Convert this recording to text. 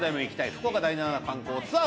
福岡第７観光ツアー」